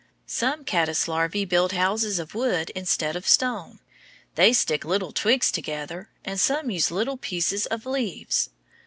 Some caddice larvæ build houses of wood instead of stone. They stick little twigs together, and some use little pieces of leaves.